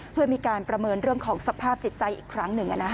เพื่อมีการประเมินเรื่องของสภาพจิตใจอีกครั้งหนึ่ง